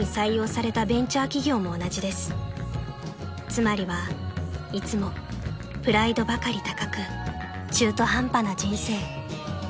［つまりはいつもプライドばかり高く中途半端な人生］